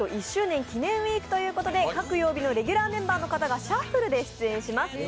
１周年記念ウイークということで各曜日のレギュラーメンバーの方がシャッフルで出演します。